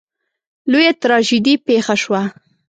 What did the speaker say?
لویه تراژیدي پېښه شوه.